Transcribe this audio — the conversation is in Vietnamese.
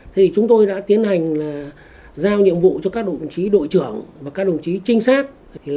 thế thì chúng tôi đã tiến hành là giao nhiệm vụ cho các đồng chí đội trưởng và các đồng chí trinh sát